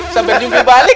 sampai nyunggu balik